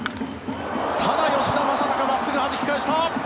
ただ、吉田正尚真っすぐ、はじき返した！